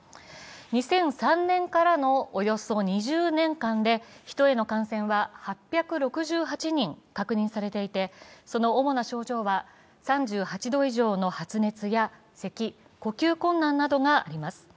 ２００３年からのおよそ２０年間で人への感染は８６８人確認されていて、その主な症状は３８度以上の発熱やせき呼吸困難などがあります。